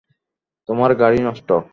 তোমার গাড়ি নষ্ট?